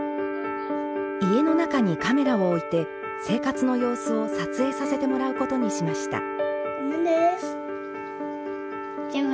家の中にカメラを置いて生活の様子を撮影させてもらうことにしました。